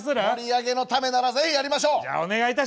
盛り上げのためならぜひやりましょう。